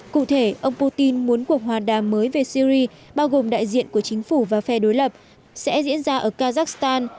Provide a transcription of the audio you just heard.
cụ thể ông putin muốn cuộc hòa đàm mới về syri bao gồm đại diện của chính phủ và phe đối lập sẽ diễn ra ở kazakhstan